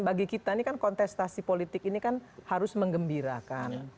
bagi kita ini kan kontestasi politik ini kan harus mengembirakan